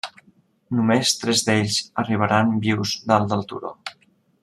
Només tres d'ells arribaran vius dalt del turó.